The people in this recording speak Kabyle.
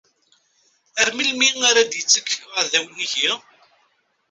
Ar melmi ara d-ittekk uɛdaw-iw nnig-i?